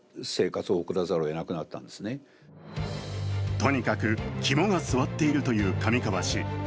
とにかく肝が据わっているという上川氏。